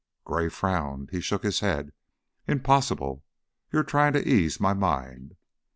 Gray frowned, he shook his head. "Impossible. You're trying to ease my mind."